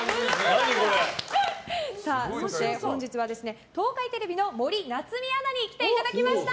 そして本日は東海テレビの森夏美アナに来ていただきました。